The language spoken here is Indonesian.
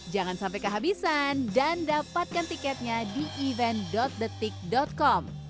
jangan sampai kehabisan dan dapatkan tiketnya di event detik com